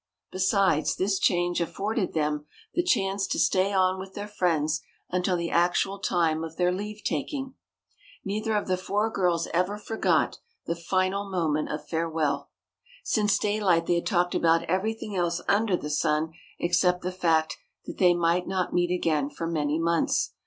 Besides, this change afforded them the chance to stay on with their friends until the actual time of their leave taking. Neither of the four girls ever forgot the final moment of farewell. Since daylight they had talked about everything else under the sun except the fact that they might not meet again for many months.